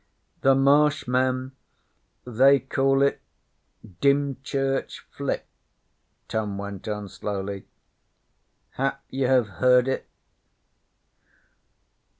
'The Marsh men they call it Dymchurch Flit,' Tom went on slowly. 'Hap you have heard it?'